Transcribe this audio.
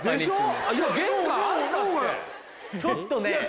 ちょっとね。